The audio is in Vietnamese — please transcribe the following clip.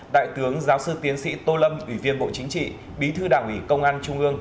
đại tướng giáo sư tiến sĩ tô lâm ủy viên bộ chính trị bí thư đảng ủy công an trung ương